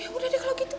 ya udah deh kalau gitu